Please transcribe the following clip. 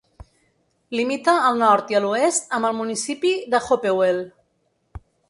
Limita al nord i a l'oest amb el municipi de Hopewell.